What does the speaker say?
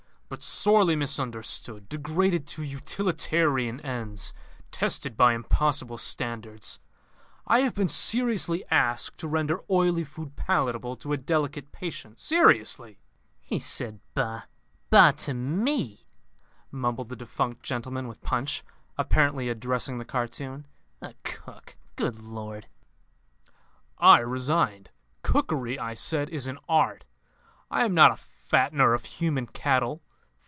"But sorely misunderstood; degraded to utilitarian ends; tested by impossible standards. I have been seriously asked to render oily food palatable to a delicate patient. Seriously!" "He said, 'Bah!' Bah! to me!" mumbled the defunct gentleman with Punch, apparently addressing the cartoon. "A cook! Good Lord!" "I resigned. 'Cookery,' I said, 'is an art. I am not a fattener of human cattle.